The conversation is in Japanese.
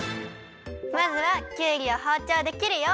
まずはきゅうりをほうちょうで切るよ。